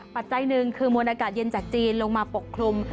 ปัจจัยหนึ่งคือมวลอากาศเย็นจากจีนลงมาปกคลุม